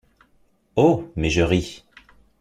Oh! mais, je ris.